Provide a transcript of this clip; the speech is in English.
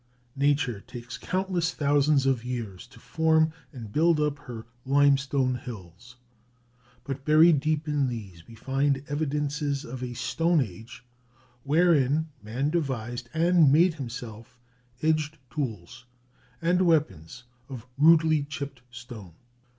[Footnote 20: Champollion.] Nature takes countless thousands of years to form and build up her limestone hills, but buried deep in these we find evidences of a stone age wherein man devised and made himself edged tools and weapons of rudely chipped stone.